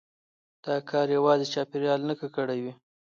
دا کار يوازي چاپېريال نه ککړوي،